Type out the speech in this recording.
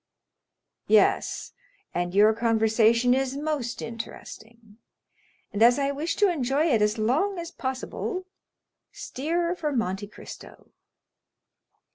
"Yes, and your conversation is most interesting; and as I wish to enjoy it as long as possible, steer for Monte Cristo."